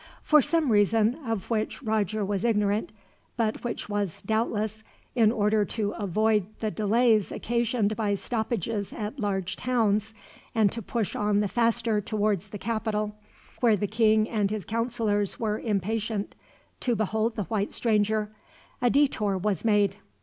For some reason, of which Roger was ignorant but which was, doubtless, in order to avoid the delays occasioned by stoppages at large towns, and to push on the faster towards the capital, where the king and his counselors were impatient to behold the white stranger a detour was made.